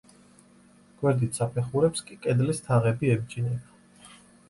გვერდით საფეხურებს კი კედლის თაღები ებჯინება.